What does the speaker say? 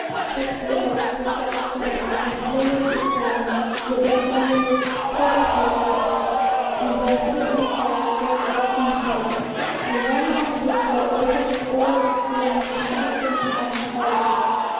Its walls were set round from floor to ceiling with the friendly, quiet faces of books, and there stood my father's great writing chair, on one arm of which lay open always his Cruden's Concordance and his Bible.